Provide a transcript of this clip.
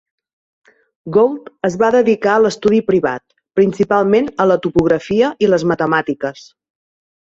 Gould es va dedicar a l'estudi privat, principalment a la topografia i les matemàtiques.